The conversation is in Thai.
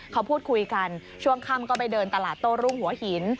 เขาพูดคุยกันช่วงค่ำก็ไปเดินตลาดโต้รุ่งหัวหิน